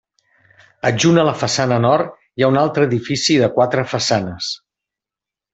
Adjunt a la façana nord hi ha un altre edifici de quatre façanes.